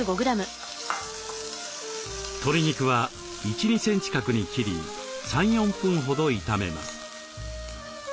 鶏肉は１２センチ角に切り３４分ほど炒めます。